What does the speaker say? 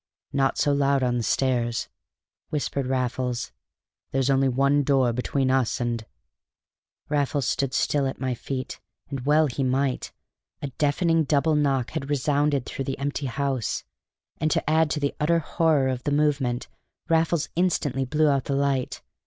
"Not so loud on the stairs," whispered Raffles. "There's only one door between us and " Raffles stood still at my feet, and well he might! A deafening double knock had resounded through the empty house; and to add to the utter horror of the moment, Raffles instantly blew out the light.